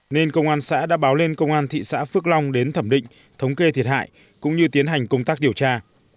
nên công an xã đã báo lên công an thị xã phước long đến thẩm định thống kê thiệt hại cũng như tiến hành công tác điều tra